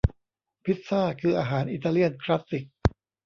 พิซซ่าคืออาหารอิตาเลียนคลาสสิค